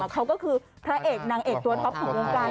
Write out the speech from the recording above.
เขาก็คือพระเอกนางเอกตัวท็อปของวงการ